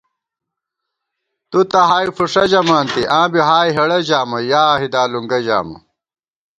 تُو تہ ہائے فُݭہ ژمانتی، آں بی ہائے ہېڑہ ژامہ ، یا ہِدالُونگہ ژامہ